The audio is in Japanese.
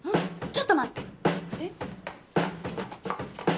ちょっと待ってえっ？